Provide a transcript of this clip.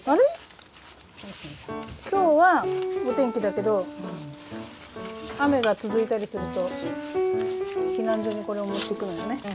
今日はお天気だけど雨が続いたりすると避難所にこれを持って行くのよね。